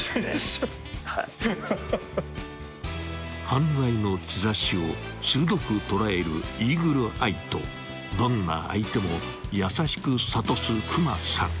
［犯罪の兆しを鋭く捉えるイーグルアイとどんな相手も優しく諭すクマさん］